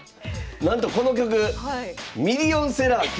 なんとこの曲ミリオンセラー記録してます。